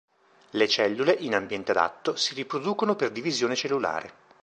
Le cellule, in ambiente adatto, si riproducono per divisione cellulare.